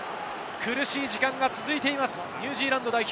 苦しい時間が続いていますニュージーランド代表。